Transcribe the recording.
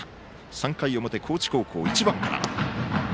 ３回の表、高知高校１番から。